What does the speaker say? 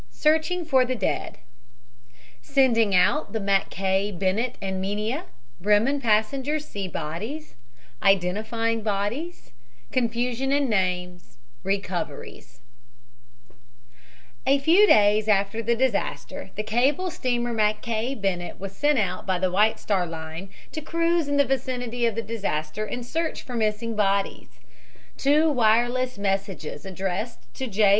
SEARCHING FOR THE DEAD SENDING OUT THE MACKAY BENNETT AND MINIA BREMEN PASSENGERS SEE BODIES IDENTIFYING BODIES CONFUSION IN NAMES RECOVERIES A FEW days after the disaster the cable steamer Mackay Bennett was sent out by the White Star Line to cruise in the vicinity of the disaster and search for missing bodies. Two wireless messages addressed to J.